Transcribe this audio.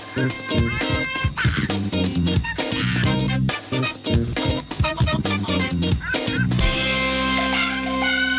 โปรดติดตามตอนต่อไป